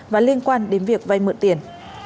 và liên quan đến việc vay mượn tiền